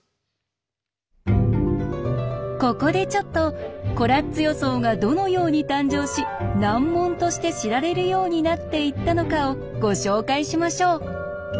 ここでちょっとコラッツ予想がどのように誕生し難問として知られるようになっていったのかをご紹介しましょう。